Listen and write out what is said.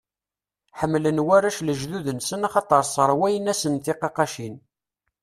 Ḥemmlen warrac lejdud-nsen axaṭer sserwayen-asen tiqaqqacin.